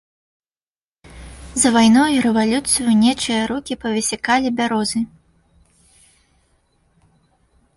За вайну і рэвалюцыю нечыя рукі павысякалі бярозы.